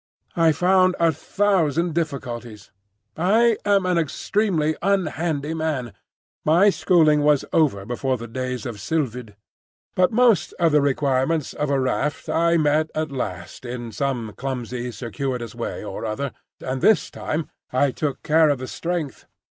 I found a thousand difficulties. I am an extremely unhandy man (my schooling was over before the days of Slöjd); but most of the requirements of a raft I met at last in some clumsy, circuitous way or other, and this time I took care of the strength.